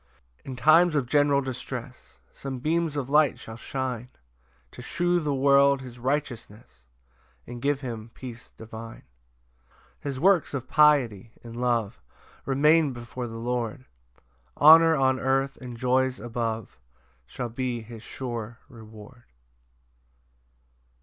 4 In times of general distress, Some beams of light shall shine To shew the world his righteousness, And give him peace divine. 5 His works of piety and love Remain before the Lord; Honour on earth and joys above Shall be his sure reward.